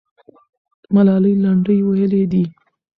ملالۍ لنډۍ ویلې دي.